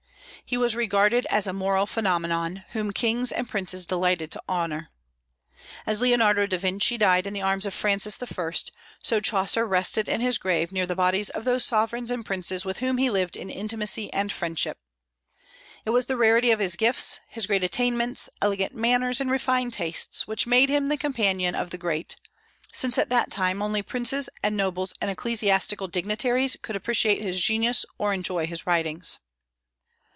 He was regarded as a moral phenomenon, whom kings and princes delighted to honor. As Leonardo da Vinci died in the arms of Francis I., so Chaucer rested in his grave near the bodies of those sovereigns and princes with whom he lived in intimacy and friendship. It was the rarity of his gifts, his great attainments, elegant manners, and refined tastes which made him the companion of the great, since at that time only princes and nobles and ecclesiastical dignitaries could appreciate his genius or enjoy his writings.